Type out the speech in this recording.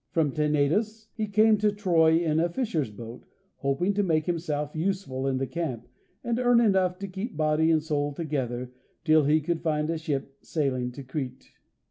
From Tenedos he had come to Troy in a fisher's boat, hoping to make himself useful in the camp, and earn enough to keep body and soul together till he could find a ship sailing to Crete.